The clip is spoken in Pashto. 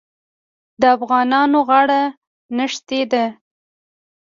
د افغانانو غاړه نښتې ده.